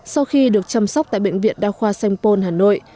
sau khi được chăm sóc tại bệnh viện đa khoa sành pôn hà nội